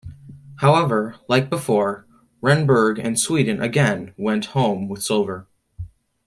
However, like before, Renberg and Sweden again went home with silver.